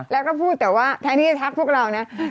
ไลน์ก็พูดแต่ว่าทานิจะทักพวกเราน่ะ